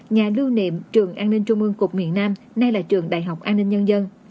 nhà lưu niệm trường an ninh trung ương cục miền nam nay là trường đại học an ninh nhân dân